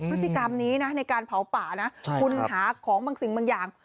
พฤติกรรมนี้นะในการเผาป่านะคุณหาของบางสิ่งบางอย่าง